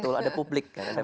betul ada publik kan